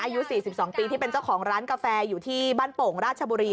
อายุ๔๒ปีที่เป็นเจ้าของร้านกาแฟอยู่ที่บ้านโป่งราชบุรี